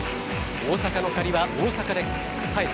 大阪の借りは大阪で返す。